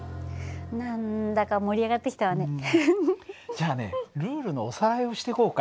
じゃあねルールのおさらいをしてこうか。